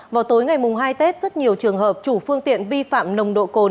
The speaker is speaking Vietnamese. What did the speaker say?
vào tối ngày hai tết rất nhiều trường hợp chủ phương tiện vi phạm nồng độ cồn